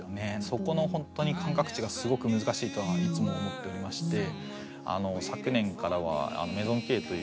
そこのホントに感覚値がすごく難しいとはいつも思っておりまして。